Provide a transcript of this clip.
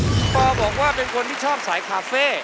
เสียงตรงนี้สตอปอร์บอกว่าเป็นคนที่ชอบสายคาเฟ่